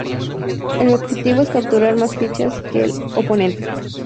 El objetivo es capturar más fichas que el oponente.